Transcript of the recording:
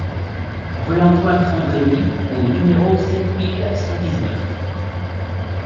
Rue Antoine Fondrini au numéro sept mille cent dix-neuf